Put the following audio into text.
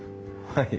はい。